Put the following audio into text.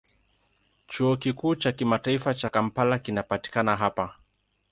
Chuo Kikuu cha Kimataifa cha Kampala kinapatikana hapa.